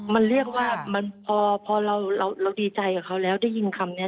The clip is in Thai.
มันเรียกว่าพอเราดีใจกับเขาแล้วได้ยินคำนี้